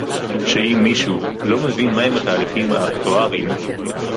שאם מישהו לא מבין מהם התהליכים האקטואריים